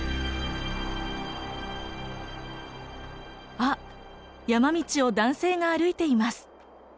あっ山道を男性が歩いています。